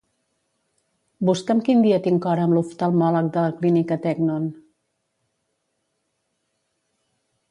Busca'm quin dia tinc hora amb l'oftalmòleg de la Clínica Teknon.